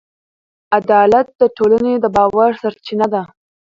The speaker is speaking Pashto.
عدالت د ټولنې د باور سرچینه ده.